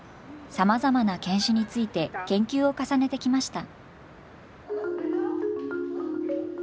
さまざまな犬種について研究を重ねてきました。